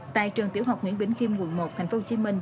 tại trường tiểu học nguyễn bình khiêm quận một tp hcm